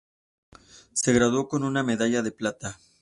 Se graduó con una medalla de plata.